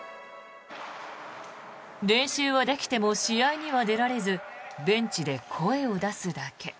練習はできても試合には出られずベンチで声を出すだけ。